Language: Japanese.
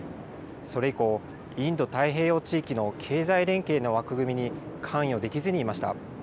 それ以降、インド・太平洋地域の経済連携の枠組みに関与できずにいました。